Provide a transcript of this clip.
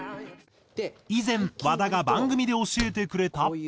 以前和田が番組で教えてくれた。